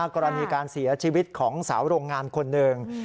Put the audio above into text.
กรณีการเสียชีวิตของสาวโรงงานคนหนึ่ง